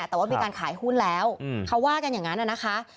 แต่ว่ามีการขายหุ้นแล้วเขาว่ากันอย่างนั้นนะคะ